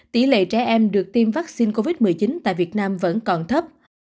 tỷ lệ trẻ em được tiêm vắc xin covid một mươi chín tại việt nam vẫn còn thấp